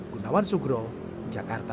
gunawan sugro jakarta